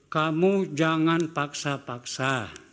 kamu jangan paksa paksa